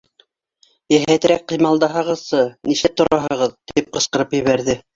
Йәһәтерәк ҡыймылдаһағыҙсы, ни эшләп тораһығыҙ? — тип ҡысҡырып ебәрҙе.